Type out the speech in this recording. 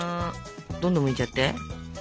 どんどんむいちゃって。